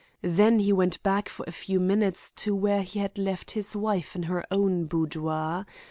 Then he went back for a few minutes to where he had left his wife, in her own boudoir.